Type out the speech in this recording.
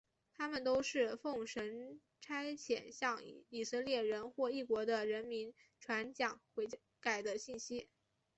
他们都是奉神差遣向以色列人或异国的人民传讲悔改的信息。